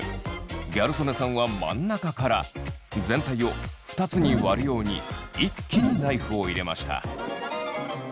ギャル曽根さんは真ん中から全体を二つに割るように一気にナイフを入れました。